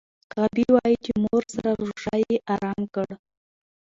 غابي وايي چې مور سره روژه یې ارام کړ.